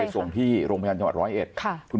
ไปส่งที่โรงพยาบาลจังหวัด๑๐๑ค่ะ